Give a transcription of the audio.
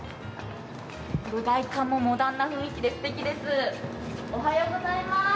外観もモダンな雰囲気ですてきです。